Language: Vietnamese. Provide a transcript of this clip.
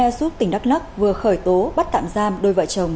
e s u p tỉnh đắk lắk vừa khởi tố bắt tạm giam đôi vợ chồng